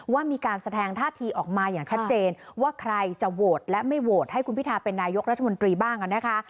ว่ามีการแสดงท่าทีออกมาอย่างชัดเจนว่าใครจะโหวตและไม่โหวตให้คุณพิทาเป็นนายกรัฐมนตรีบ้างนะคะ